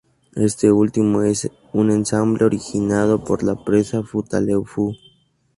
Este último es un embalse originado por la presa Futaleufú.